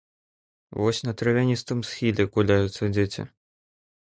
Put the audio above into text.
Вось на травяністым схіле куляюцца дзеці.